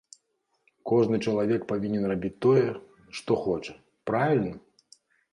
Кожны чалавек павінен рабіць тое, што хоча, правільна?